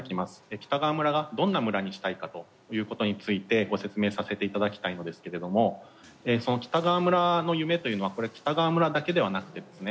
北川村がどんな村にしたいかということについてご説明させていただきたいのですけれどもその北川村の夢というのはこれ北川村だけではなくてですね。